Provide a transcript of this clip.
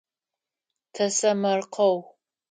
Тэсэмэркъэу.